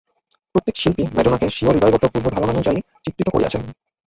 প্রত্যেক শিল্পী ম্যাডোনাকে স্বীয় হৃদয়গত পূর্বধারণানুযায়ী চিত্রিত করিয়াছেন।